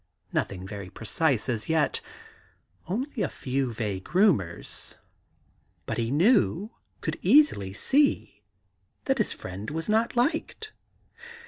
No thing very precise as yet ; only a few vague rumours ; but he knew, could easily see, that his friend was not liked.